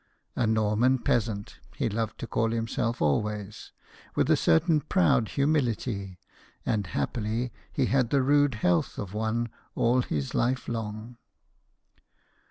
" A Norman Peasant," he loved to call himself always, with a certain proud humility ; and happily he had the rude health of one all his life long.